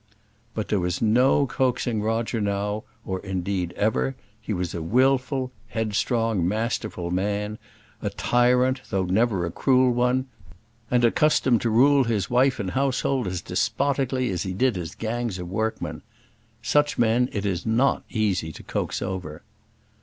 But there was no coaxing Roger over now, or indeed ever: he was a wilful, headstrong, masterful man; a tyrant always though never a cruel one; and accustomed to rule his wife and household as despotically as he did his gangs of workmen. Such men it is not easy to coax over.